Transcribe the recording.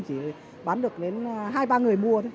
chỉ bán được đến hai ba người mua